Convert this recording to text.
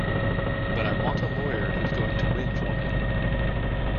But I want a lawyer who's going to win for me.